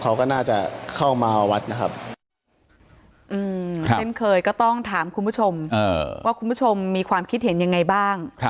เขาก็น่าจะเข้ามาวัดนะครับเช่นเคยก็ต้องถามคุณผู้ชมว่าคุณผู้ชมมีความคิดเห็นยังไงบ้าง